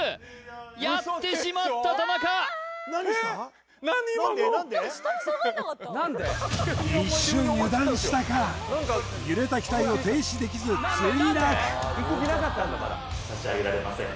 やってしまった田中一瞬油断したか揺れた機体を停止できず墜落差し上げられません